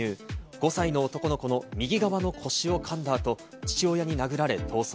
５歳の男の子の右側の腰を噛んだあと、父親に殴られ、逃走。